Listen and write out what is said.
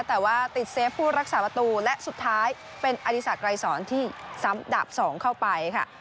แต่ว่าติดเซฟผู้รักษาประตูและสุดท้ายเป็นอดีศักดรายสอนที่ซ้ำดาบ๒เข้าไปค่ะ